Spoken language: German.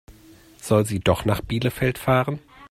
Soll sie doch nach Bielefeld fahren?